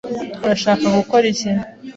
Urashaka gukora iki?